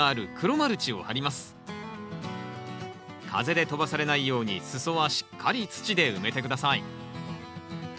風で飛ばされないように裾はしっかり土で埋めて下さい。